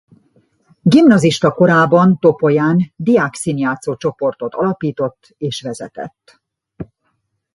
Gimnazista korában Topolyán diákszínjátszó csoportot alapított és vezetett.